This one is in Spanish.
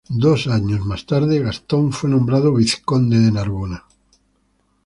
Dos años más tarde, Gastón fue nombrado vizconde de Narbona.